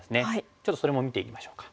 ちょっとそれも見ていきましょうか。